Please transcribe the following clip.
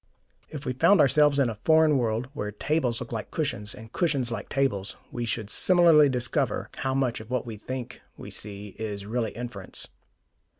If we found ourselves in a foreign world, where tables looked like cushions and cushions like tables, we should similarly discover how much of what we think we see is really inference.